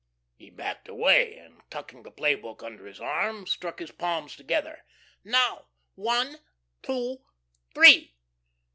He backed away and, tucking the play book under his arm, struck his palms together. "Now, one two _three.